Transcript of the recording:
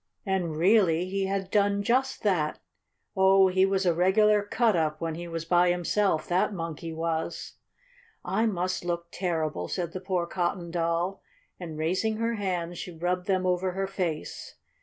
And, really, he had done just that. Oh, he was a regular "cut up" when he was by himself, that Monkey was. "I must look terrible!" said the poor Cotton Doll, and, raising her hands, she rubbed them over her face.